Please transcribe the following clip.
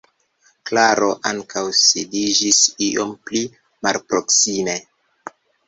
Klaro ankaŭ sidiĝis iom pli malproksime.